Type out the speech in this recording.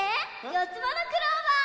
よつばのクローバー！